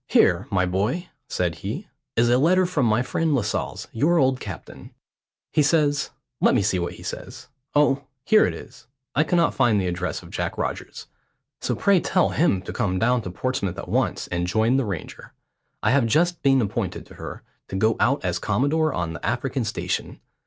"Here, my boy," said he, "is a letter from my friend Lascelles, your old captain. He says let me see what he says. Oh! here it is. `I cannot find the address of Jack Rogers, so pray tell him to come down to Portsmouth at once and join the Ranger. I have just been appointed to her, to go out as commodore on the African station.